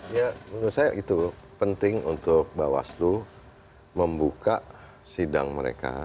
ya menurut saya itu penting untuk bawaslu membuka sidang mereka